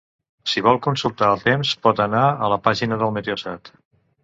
Si vol consultar el temps pot anar a la pàgina del meteosat.